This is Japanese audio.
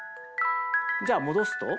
じゃあ戻すと。